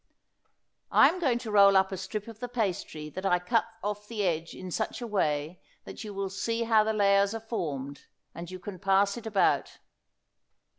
I am going to roll up a strip of the pastry that I cut off the edge in such a way that you will see how the layers are formed, and you can pass it about.